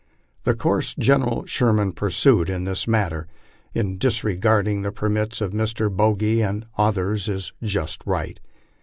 The course General Sherman has pursued in this matter, in disregarding the permits of Mr. Bogy and others, is just right.